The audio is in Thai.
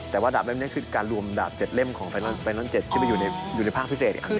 แต่ว่าดาบเล่มนี้คือการรวมดาบ๗เล่มของแฟนทั้ง๗ที่ไปอยู่ในภาคพิเศษอีกครั้ง